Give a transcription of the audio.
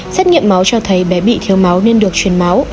xét nghiệm máu cho thấy bé bị thiếu máu nên được chuyển máu